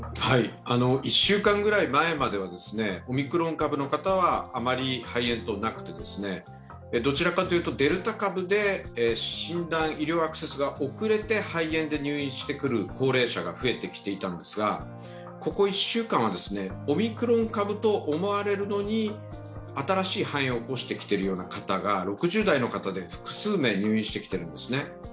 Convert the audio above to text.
１週間ぐらい前まではオミクロン株の方はあまり肺炎等なくて、どちらかというとデルタ株で診断、医療アクセスが遅れて肺炎で入院してくる高齢者が増えてきていたのですが、ここ１週間はオミクロン株と思われるのに新しい肺炎を起こしてきているような方が、６０代の方で複数名入院してきているんですね。